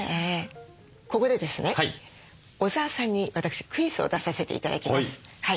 ここでですね小澤さんに私クイズを出させて頂きます。